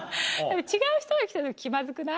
違う人が来た時気まずくない？